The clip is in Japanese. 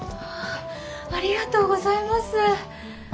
ありがとうございます！